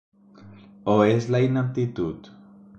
O és la ineptitud?